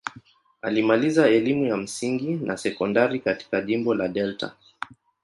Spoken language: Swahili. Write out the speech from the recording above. Alimaliza elimu ya msingi na sekondari katika jimbo la Delta.